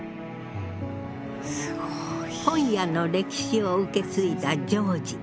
本屋の歴史を受け継いだジョージ。